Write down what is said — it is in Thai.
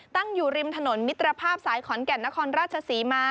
ตั้งอยู่ริมถนนมิตรภาพสายขอนแก่นนครราชศรีมา